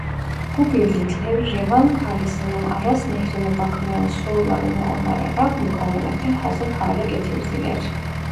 Bu birlikler Revan Kalesi'nin Aras Nehri'ne bakmayan surlarını onararak mukavemete hazır hale getirdiler.